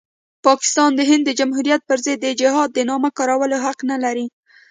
پاکستان د هند د جمهوریت پرضد د جهاد د نامه کارولو حق نلري.